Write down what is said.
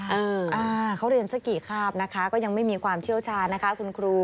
เอออ่าเขาเรียนสักกี่คาบนะคะก็ยังไม่มีความเชี่ยวชาญนะคะคุณครู